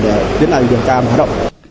để tiến hành điều tra và hoạt động